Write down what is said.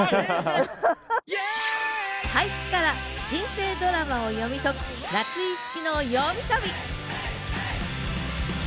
俳句から人生ドラマを読み解く「夏井いつきのよみ旅！」